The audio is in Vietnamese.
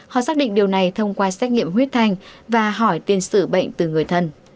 họ xác định điều này thông qua xét nghiệm huyết thanh và hỏi tiền sử bệnh từ người thân